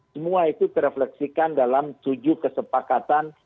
semua itu terefleksikan dalam tujuh kesepakatan